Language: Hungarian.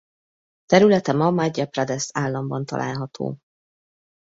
Területe ma Madhja Prades államban található.